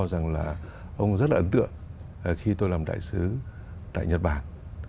rằng là ông rất là ấn tượng khi tôi làm đại sứ tại nhật bản